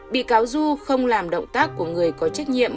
bị cáo du không làm động tác của người có trách nhiệm